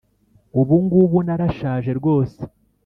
ubu ngubu narashaje rwose.